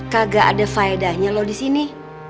kagak ada faedahnya lo disini